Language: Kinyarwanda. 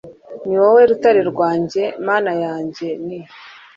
ni wowe rutare rwanjye (mana yanjye) ni